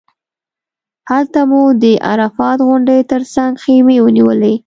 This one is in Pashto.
هلته مو د عرفات غونډۍ تر څنګ خیمې ونیولې.